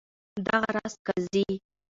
دغه راز قاضي.